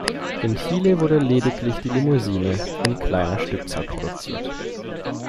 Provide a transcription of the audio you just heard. In Chile wurde lediglich die Limousine in kleiner Stückzahl produziert.